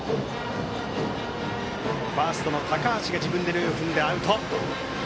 ファーストの高橋が自分で塁を踏んでアウト。